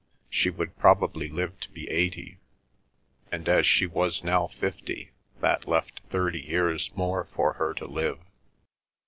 She would probably live to be eighty, and as she was now fifty, that left thirty years more for her to live.